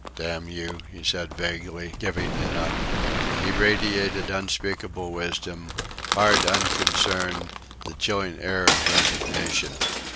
"Damn you!" he said, vaguely, giving it up. He radiated unspeakable wisdom, hard unconcern, the chilling air of resignation.